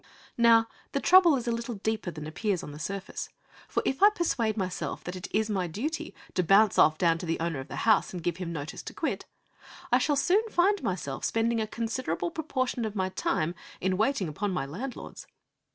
Now the trouble is a little deeper than appears on the surface. For if I persuade myself that it is my duty to bounce off down to the owner of the house and give him notice to quit, I shall soon find myself spending a considerable proportion of my time in waiting upon my landlords.